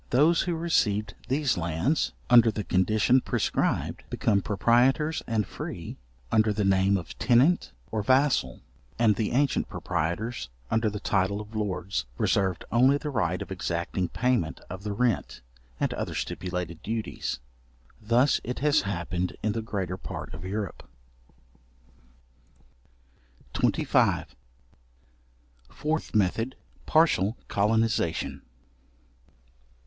Those who received these lands, under the condition prescribed, became proprietors and free, under the name of tenant, or vassal; and the ancient proprietors, under the title of lords, reserved only the right of exacting payment of the rent, and other stipulated duties. Thus it has happened in the greater part of Europe. §25. Fourth Method. Partial colonization.